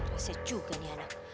rasanya cuka nih anak